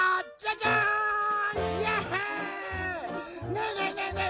ねえねえねえねえ